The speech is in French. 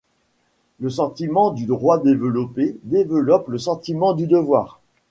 Le sentiment du droit, développé, développe le sentiment du devoir.